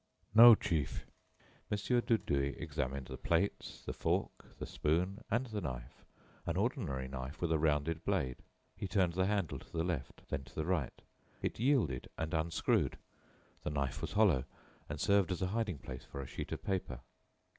"No, chief." Mon. Dudouis examined the plates, the fork, the spoon, and the knife an ordinary knife with a rounded blade. He turned the handle to the left; then to the right. It yielded and unscrewed. The knife was hollow, and served as a hiding place for a sheet of paper.